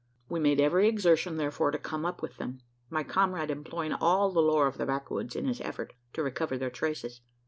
We made every exertion, therefore, to come up with them my comrade employing all the lore of the backwoods, in his effort to recover their traces.